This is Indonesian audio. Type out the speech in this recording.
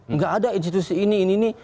nggak ada institusi ini ini ini